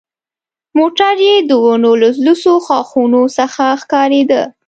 موټر یې د ونو له لوڅو ښاخونو څخه ښکارېده.